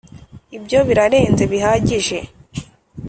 ibyo birarenze bihagije.